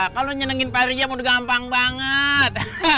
kalau lo nyenengin parija mending gampang banget